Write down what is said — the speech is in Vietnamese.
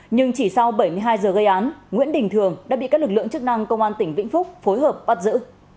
nhưng chỉ sau bảy mươi hai giờ gây án nguyễn đình thường đã bị các lực lượng chức năng công an tỉnh vĩnh phúc phối hợp bắt giữ